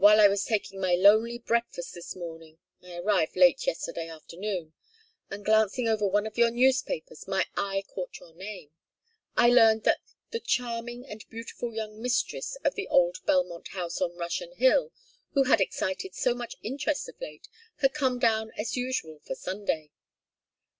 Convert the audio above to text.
"While I was taking my lonely breakfast this morning I arrived late yesterday afternoon and glancing over one of your newspapers, my eye caught your name. I learned that 'the charming and beautiful young mistress of the old Belmont House on Russian Hill, who had excited so much interest of late, had come down as usual for Sunday."